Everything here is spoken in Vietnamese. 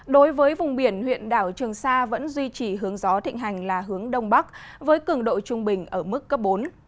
đối với vùng biển huyện đảo trường sa vẫn duy trì hướng gió thịnh hành là hướng đông bắc với cường độ trung bình ở mức cấp bốn